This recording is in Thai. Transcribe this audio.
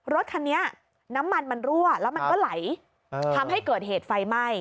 รถคันนี้น้ำมันมันรั่วแล้วมันก็ไหลทำให้เกิดเหตุไฟไหม้